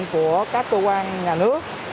của các cơ quan nhà nước